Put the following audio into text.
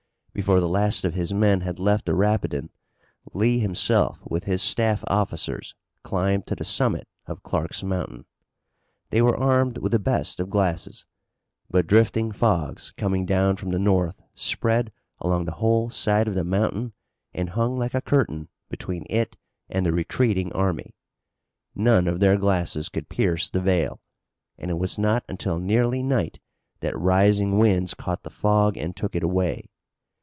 Before the last of his men had left the Rapidan Lee himself, with his staff officers, climbed to the summit of Clark's Mountain. They were armed with the best of glasses, but drifting fogs coming down from the north spread along the whole side of the mountain and hung like a curtain between it and the retreating army. None of their glasses could pierce the veil, and it was not until nearly night that rising winds caught the fog and took it away.